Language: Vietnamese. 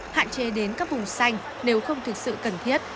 hạn chế đến các vùng xanh nếu không thực sự cần thiết